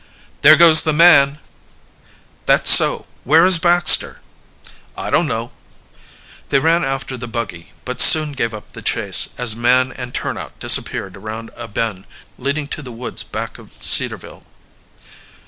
"There goes the man!" "That's so. Where is Baxter?" "I don't know." They ran after the buggy, but soon gave up the chase, as man and turnout disappeared around a bend leading to the woods back of Cedarville.